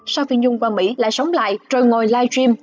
sao phi nhung qua mỹ lại sống lại rồi ngồi live stream